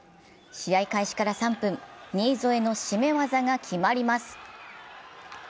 試合開始から３分、新添の絞め技が決まります。